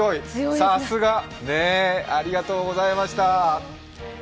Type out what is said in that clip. さすが、ありがとうございました。